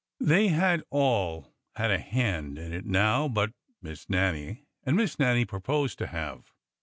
They had all had a hand in it now but Miss Nannie, and Miss Nannie proposed to have.